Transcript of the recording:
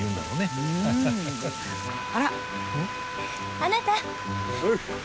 あなた。